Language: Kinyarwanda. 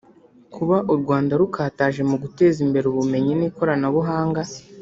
Kuba u Rwanda rukataje mu guteza imbere ubumenyi n’Ikoranabuhanga